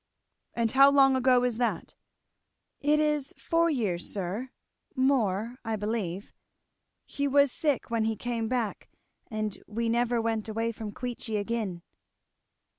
"And how long ago is that?" "It is four years, sir; more, I believe. He was sick when he came back, and we never went away from Queechy again."